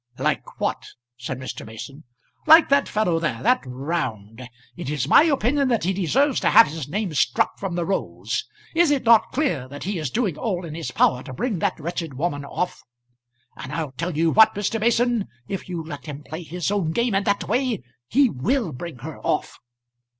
"Like what?" said Mr. Mason. "Like that fellow there; that Round. It is my opinion that he deserves to have his name struck from the rolls. Is it not clear that he is doing all in his power to bring that wretched woman off? And I'll tell you what, Mr. Mason, if you let him play his own game in that way, he will bring her off."